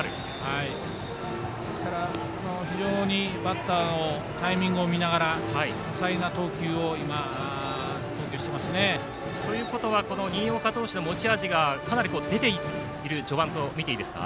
非常にバッターをタイミングを見ながら多彩な投球を今、投球してますね。ということは新岡投手の持ち味がかなり出ている序盤とみていいですか？